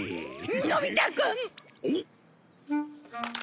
のび太くん！おっ！